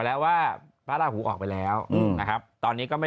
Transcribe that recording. เรามาอ่านคอมเม้นกันดีกว่า